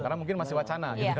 karena mungkin masih wacana